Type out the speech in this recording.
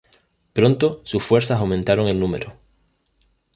Pronto sus fuerzas aumentaron en número.